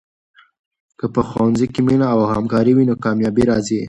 که په ښوونځي کې مینه او همکاري وي، نو کامیابي راځي.